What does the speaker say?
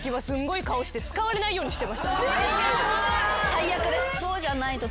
最悪です。